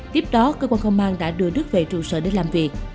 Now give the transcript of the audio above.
tiếp đó cơ quan công an đã đưa đức về trụ sở để làm việc